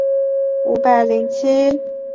场地中实际上仅放有两张真实椅。